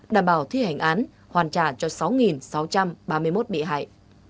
đảm bảo thi hành án hoàn trả cho sáu sáu trăm ba mươi một bị hại